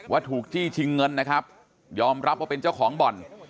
ถูกจี้ชิงเงินนะครับยอมรับว่าเป็นเจ้าของบ่อน